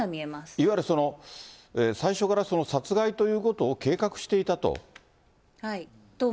いわゆる最初から殺害ということを計画していたと？